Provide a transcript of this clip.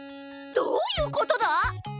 どういうことだ？